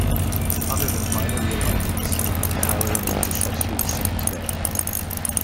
Other than minor realignments, the highway remains essentially the same today.